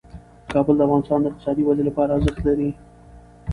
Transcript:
کابل د افغانستان د اقتصادي ودې لپاره ارزښت لري.